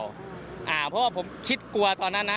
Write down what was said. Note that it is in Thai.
เพราะว่าผมคิดกลัวตอนนั้นนะ